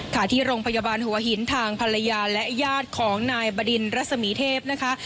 ค่ะที่โรงพยาบาลหัวหินทางภรรยาและญาติของนายบดินรัศมีเทพนะคะ